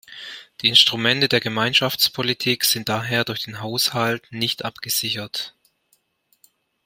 Die Instrumente der Gemeinschaftspolitik sind daher durch den Haushalt nicht abgesichert.